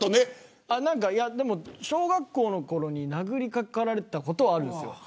小学校のころに殴りかかられたことはあるんです。